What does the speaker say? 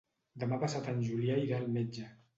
Demà passat en Julià irà al metge.